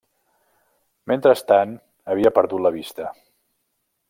Mentrestant, havia perdut la vista.